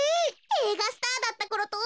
えいがスターだったころとおんなじ。